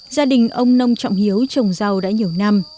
gia đình ông nông trọng hiếu trồng rau đã nhiều năm